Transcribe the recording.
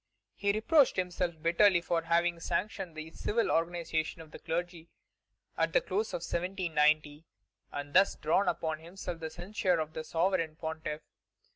He reproached himself bitterly for having sanctioned the civil organization of the clergy at the close of 1790, and thus drawn upon himself the censure of the Sovereign Pontiff.